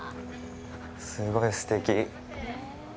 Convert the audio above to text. すごいすてき。